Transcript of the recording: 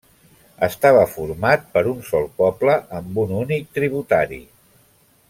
Estava format per un sol poble amb un únic tributari.